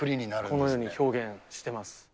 このように表現してます。